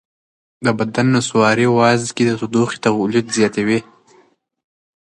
د بدن نسواري وازګې د تودوخې تولید زیاتوي.